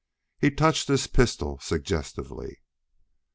He touched his pistol suggestively.